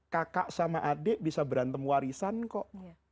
kakak sama adik bisa berantem warisan kok